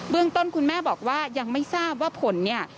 ต้นคุณแม่บอกว่ายังไม่ทราบว่าผลเนี่ย